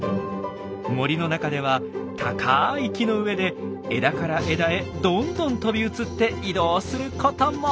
森の中では高い木の上で枝から枝へどんどんとび移って移動することも。